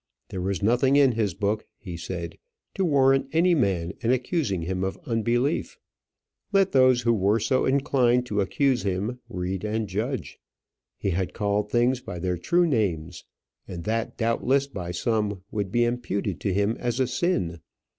There was nothing in his book, he said, to warrant any man in accusing him of unbelief. Let those who were so inclined to accuse him read and judge. He had called things by their true names, and that doubtless by some would be imputed to him as a sin.